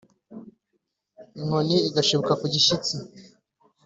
inkoni igashibuka kugishyitsi,